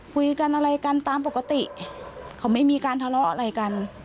คุยกันอะไรกันตามปกติเขาไม่มีการทะเลาะอะไรกัน